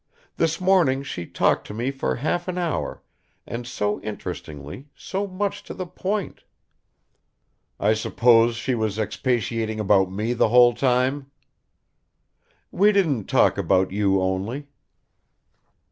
This morning she talked to me for half an hour, and so interestingly, so much to the point." "I suppose she was expatiating about me the whole time." "We didn't talk about you only."